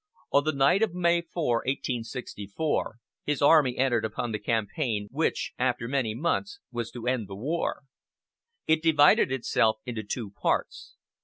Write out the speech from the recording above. On the night of May 4, 1864, his army entered upon the campaign which, after many months, was to end the war. It divided itself into two parts.